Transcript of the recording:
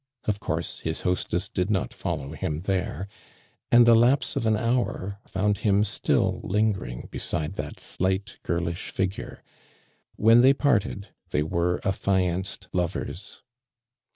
Of course his hostess did not follow him there, and the lapse of an hour found him still lingering beside that slight girlish figure. When they parted, they were aflianced lov ers.